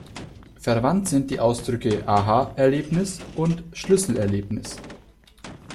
Verwandt sind die Ausdrücke „Aha-Erlebnis“ und „Schlüsselerlebnis“.